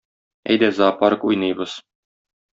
Әйдә, зоопарк уйныйбыз.